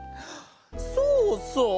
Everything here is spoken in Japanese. そうそう！